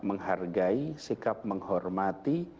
menghargai sikap menghormati